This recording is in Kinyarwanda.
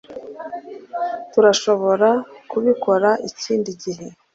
turashobora kubikora ikindi gihe